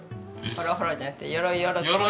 「ほろほろ」じゃなくて「よろよろ」。